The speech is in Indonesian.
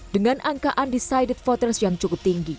dengan angka undecided voters yang cukup tinggi